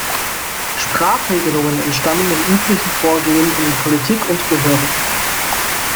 Sprachregelungen entstammen dem üblichen Vorgehen in Politik und Behörden.